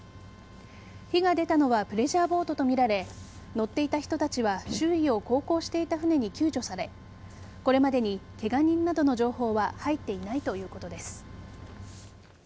火が出たのはプレジャーボートとみられ乗っていた人たちは周囲を航行していた船に救助されこれまでにケガ人などの情報は入っていないということです。